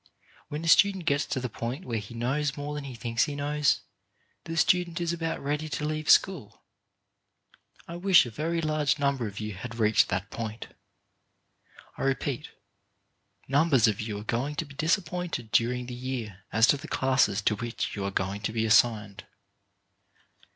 When a student gets to the point where he knows more than he thinks he knows, that student is about ready to leave school. I w sh a very large number of you had reached that point. I repeat, numbers of you are going to be disappointed during the year as to the classes to which you are going to be assigned.